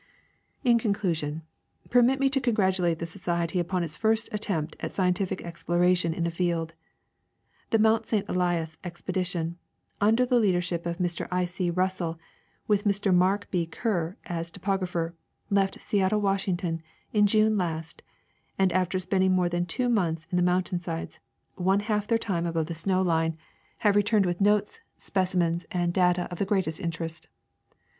In conclusion, permit me to congratulate the society upon its first attempt at scientific exploration in the field. The Mount St. Elias expedition, under the leadership of Mr. I. C Russell with Mr. Mark B. Kerr as topograj^her, left Seattle, Washington, in June last, and after spending more than two months on the mountain sides, one half their time above the snow line, have C — Nat. Geog. Mag., vol. Ill, 18 jl. 40 Herbert C}. Or/den — Geograpliij of iJie Land. returned Avith notes, specimens, and data of the greatest interest.